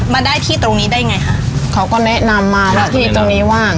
มาได้ที่ตรงนี้ได้ไงค่ะเขาก็แนะนำมาที่ตรงนี้ว่า